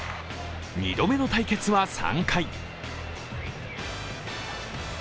２度目の対決は３回。